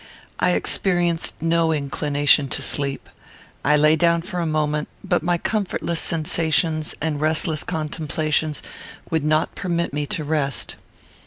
I experienced no inclination to sleep. I lay down for a moment, but my comfortless sensations and restless contemplations would not permit me to rest.